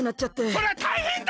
そりゃたいへんだ！